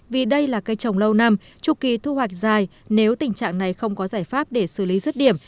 vì đây là cây trồng lâu năm trục kỳ thu hoạch dài nếu tình trạng này không có giải pháp để xử lý rứt điểm